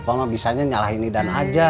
bapak mah bisanya nyalahin idan aja